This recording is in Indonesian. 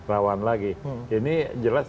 rawan lagi ini jelas